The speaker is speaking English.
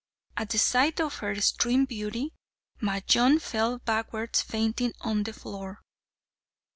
At the sight of her extreme beauty, Majnun fell backwards fainting on the floor.